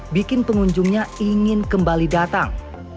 bikin pengunjungnya ingin kembali datang